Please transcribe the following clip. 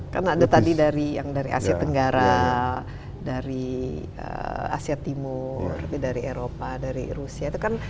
kan ada tadi dari asia tenggara asia timur dari eropa dari rusia